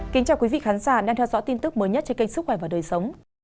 kính chào quý vị khán giả đang theo dõi tin tức mới nhất trên kênh sức khỏe và đời sống